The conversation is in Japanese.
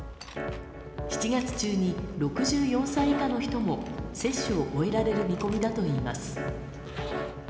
７月中に６４歳以下の人も接種を終えられる見込みだといいます。